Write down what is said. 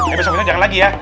eh besok besok jangan lagi ya